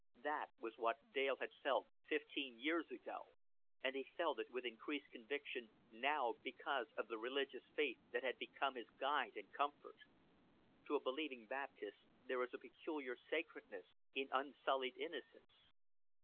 That was what Dale had felt fifteen years ago, and he felt it with increased conviction now because of the religious faith that had become his guide and comfort. To a believing Baptist there is a peculiar sacredness, in unsullied innocence.